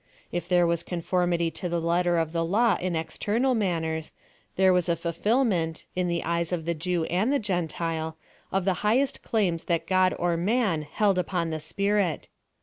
If there was conformity to the letter of the law in external mnnners, tliere was a fulfilment, in the eves of the Jew and the Gentile, of the highest claims that God or man held upon the s])irit.